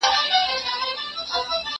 دوه غوايي يې ورته وچیچل په لار کي